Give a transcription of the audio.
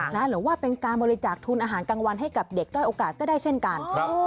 หรือว่าเป็นการบริจาคทุนอาหารกลางวันให้กับเด็กด้อยโอกาสก็ได้เช่นกัน